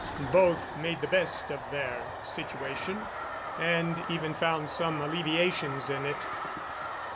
Both made the best of their situation and even found some alleviations in it.